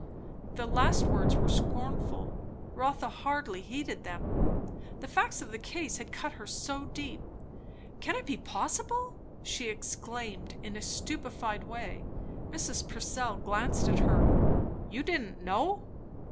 The last words were scornful. Rotha hardly heeded them, the facts of the case had cut her so deep. "Can it be possible!" she exclaimed in a stupefied way. Mrs. Purcell glanced at her. "You didn't know?"